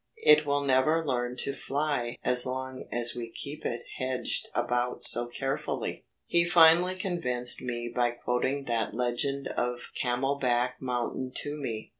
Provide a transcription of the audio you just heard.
It will never learn to fly as long as we keep it hedged about so carefully. "He finally convinced me by quoting that legend of 'Camelback Mountain' to me.